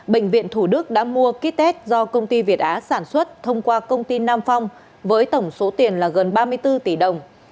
bệnh viện thủ đức đã mua ký test do công ty việt á sản xuất thông qua công ty nam phong với tổng số tiền là gần ba mươi bốn tỷ đồng